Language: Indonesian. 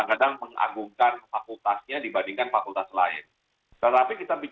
nah yang menariknya di sini adalah yang tadi disebutkan oleh pak bambang